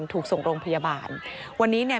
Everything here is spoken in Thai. ถูกส่งโรงพยาบาลวันนี้เนี่ย